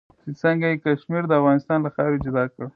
چې څنګه یې کشمیر د افغانستان له خاورې جلا کړ.